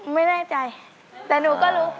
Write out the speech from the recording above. ไม่แน่ใจแต่หนูก็รู้